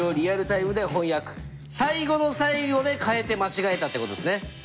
最後の最後で変えて間違えたってことですね。